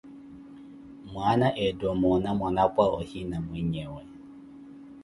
Mwaana ettha omoona mwanapwa, woohina mweenyewe.